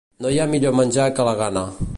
No hi ha millor menjar que la gana.